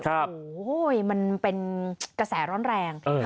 โอ้โหมันเป็นกระแสร้อนแรง